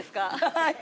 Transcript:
はい。